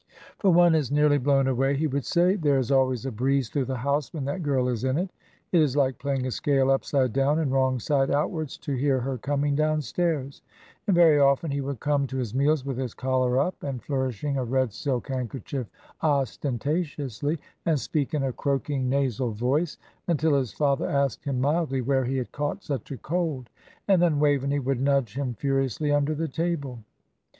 "For one is nearly blown away," he would say. "There is always a breeze through the house when that girl is in it; it is like playing a scale upside down and wrong side outwards to hear her coming downstairs;" and very often he would come to his meals with his collar up, and flourishing a red silk handkerchief ostentatiously, and speak in a croaking, nasal voice, until his father asked him mildly where he had caught such a cold; and then Waveney would nudge him furiously under the table.